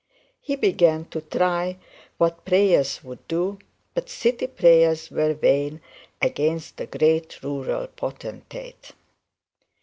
He began to try what prayers would do, but city prayers were vain against the great rural potentate.